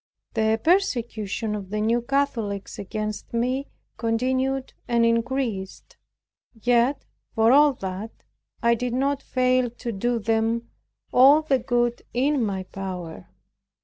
The persecution of the New Catholics against me continued and increased; yet, for all that, I did not fail to do them all the good in my power.